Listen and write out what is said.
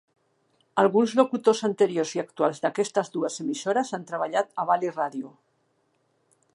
Alguns locutors anteriors i actuals d'aquestes dues emissores han treballat a Valleys Radio.